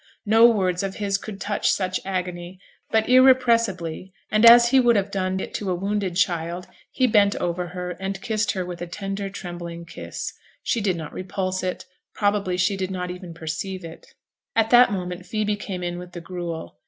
No words of his could touch such agony; but irrepressibly, and as he would have done it to a wounded child, he bent over her, and kissed her with a tender, trembling kiss. She did not repulse it, probably she did not even perceive it. At that moment Phoebe came in with the gruel.